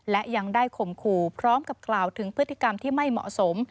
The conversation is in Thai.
และยังได้ข่มขู่พร้อมกับกล่าวถึงพฤติกรรมที่ไม่เหมาะสม